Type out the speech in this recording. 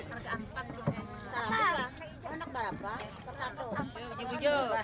kadang kadang malam kadang kadang pagi